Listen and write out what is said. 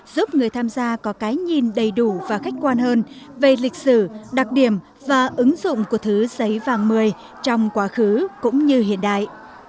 giúp người tham gia có cái nhìn đầy đủ và khách quan hơn về lịch sử đặc điểm và ứng dụng của thứ giấy vàng một mươi trong quá khứ cũng như hiện đại